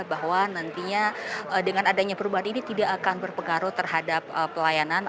bahwa nantinya dengan adanya perubahan ini tidak akan berpengaruh terhadap pelayanan